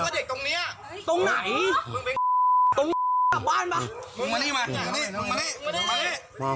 เด็กไหนพูดมา